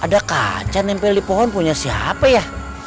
ada kaca nempel di pohon punya siapa ya